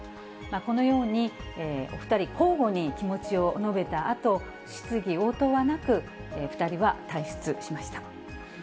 このように、お２人、交互に気持ちを述べたあと、質疑応答はなく、２人は退室しました。